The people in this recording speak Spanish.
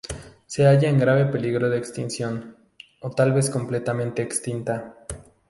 Se halla en grave peligro de extinción, o tal vez completamente extinta.